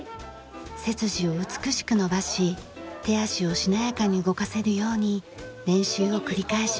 背筋を美しく伸ばし手足をしなやかに動かせるように練習を繰り返します。